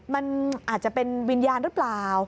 มันอาจจะเป็นวิญญาณหรือเปล่า